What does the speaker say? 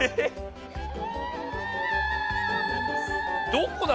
どこだ？